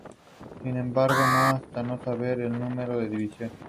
En apariencia es una especie sedentaria.